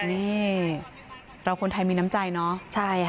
นี่เราคนไทยมีน้ำใจเนอะใช่ค่ะ